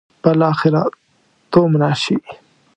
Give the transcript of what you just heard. بالاخره تومنه شي.